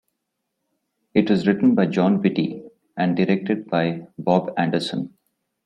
It was written by Jon Vitti and directed by Bob Anderson.